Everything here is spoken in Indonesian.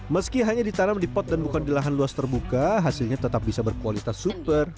meski hanya ditanam di pot dan bukan di lahan luas terbuka hasilnya tetap bisa berkualitas super